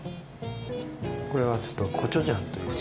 これはちょっとコチュジャンという。